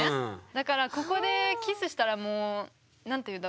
だからここでキスしたらもう何て言うんだろう